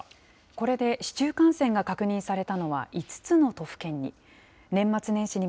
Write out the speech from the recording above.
これで市中感染が確認されたのは５つの都府県に。